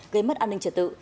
gây mất an ninh trật tự